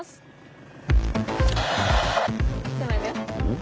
ん？